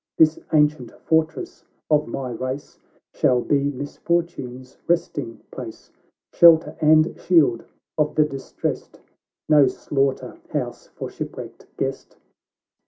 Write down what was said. This ancient fortress of my race Shall be misfortune's resting place, Shelter and shield of the distressed, iNo slaughter house for shipwrecked guest."